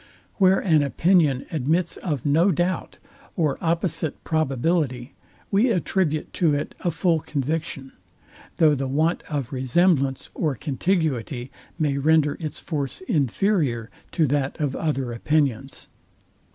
Where an opinion admits of no doubt, or opposite probability, we attribute to it a full conviction: though the want of resemblance, or contiguity, may render its force inferior to that of other opinions.